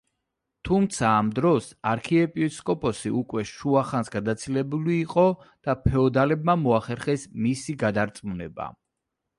თუმცა, ამ დროს არქიეპისკოპოსი უკვე შუა ხანს გადაცილებული იყო და ფეოდალებმა მოახერხეს მისი გადარწმუნება.